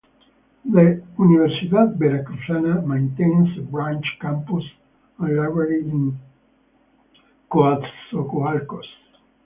The Universidad Veracruzana maintains a branch campus and library in Coatzacoalcos.